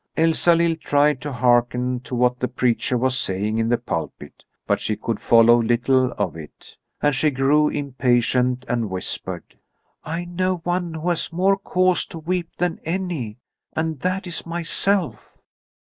Elsalill tried to hearken to what the preacher was saying in the pulpit, but she could follow little of it. And she grew impatient and whispered: "I know one who has more cause to weep than any, and that is myself.